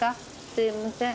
すいません。